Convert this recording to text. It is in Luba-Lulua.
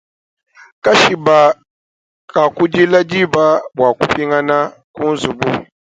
Kashiba kakudila diba bwa kupinga kunzubu.